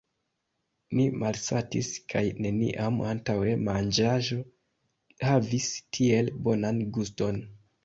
Ni malsatis kaj neniam antaŭe manĝaĵo havis tiel bonan guston.